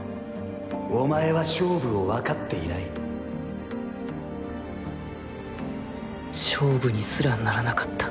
お前は勝負をわかっていない勝負にすらならなかった